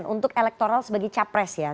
untuk elektoral sebagai capres ya